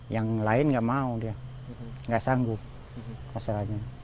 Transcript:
yang lain nggak mau dia nggak sangguh hasilnya